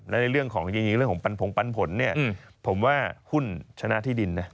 และในเรื่องของจริงเรื่องของปันผงปันผลเนี่ยผมว่าหุ้นชนะที่ดินนะ